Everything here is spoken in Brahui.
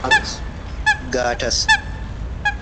گاٹ ئس